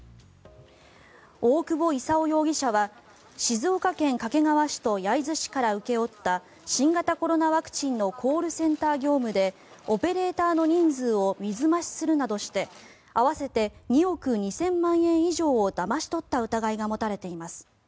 大久保功容疑者は静岡県掛川市と焼津市から請け負った新型コロナワクチンのコールセンター業務でオペレーターの人数を水増しするなどして合わせて２億２０００万円以上をだまし取った疑いが持たれています。